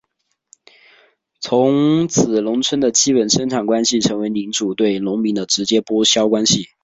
从此农村的基本生产关系成为领主对农民的直接剥削关系。